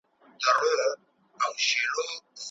ځان سره مهربانه اوسېدل د ځان درناوي نښه ده.